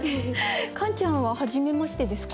カンちゃんははじめましてですか？